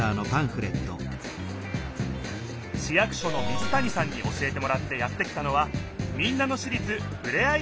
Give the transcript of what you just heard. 市役所の水谷さんに教えてもらってやって来たのは民奈野市立ふれあい